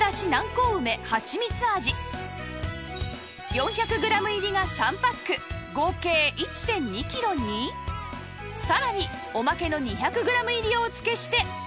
４００グラム入りが３パック合計 １．２ キロにさらにおまけの２００グラム入りをお付けして